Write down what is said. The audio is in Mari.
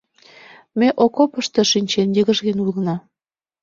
Ме, окопышто шинчен, йыгыжген улына.